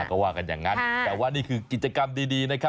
ก็ว่ากันอย่างนั้นแต่ว่านี่คือกิจกรรมดีนะครับ